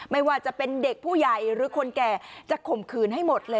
ไม่ว่าจะเป็นเด็กผู้ใหญ่หรือคนแก่จะข่มขืนให้หมดเลย